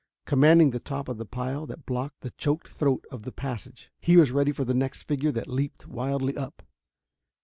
Commanding the top of the pile that blocked the choked throat of the passage, he was ready for the next figure that leaped wildly up.